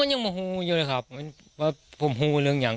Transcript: ผมก็ยังมาหูอยู่เลยครับว่าผมหูเรื่องอย่าง